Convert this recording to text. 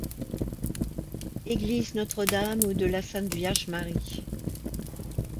Église Notre-Dame ou de la Sainte-Vierge-Marie.